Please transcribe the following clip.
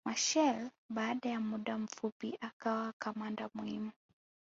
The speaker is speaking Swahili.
Machel baada ya muda mfupi akawa kamanda muhimu